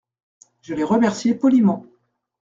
Je l’ai remercié poliment.